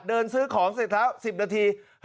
เดินซื้อของเสร็จแล้ว๑๐นาที